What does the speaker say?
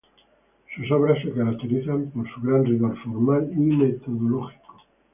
Sus obras se caracterizan por su gran rigor formal y metodológico.